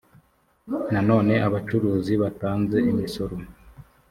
nanone abacuruzi batanze imisoro.